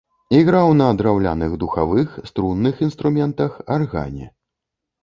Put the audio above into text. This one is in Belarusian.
Іграў на драўляных духавых, струнных інструментах, аргане.